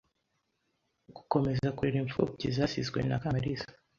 gukomeza kurera imfubyi zasizwe na Kamaliza